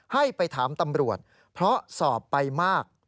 ให้ไปถามตำรวจเพราะสอบไปมาก